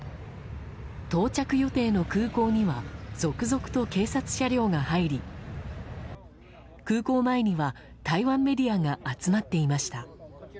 到着予定の空港には続々と警察車両が入り空港前には台湾メディアが集まっていました。